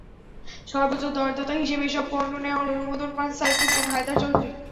সর্বোচ্চ দরদাতা হিসেবে এসব পণ্য নেওয়ার অনুমোদন পান সাইফুদ্দিন হায়দার চৌধুরী।